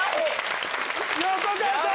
横川さん。